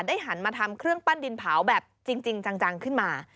หันมาทำเครื่องปั้นดินเผาแบบจริงจังขึ้นมา